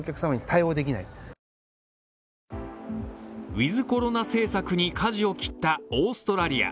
ウィズ・コロナ政策にかじを切ったオーストラリア。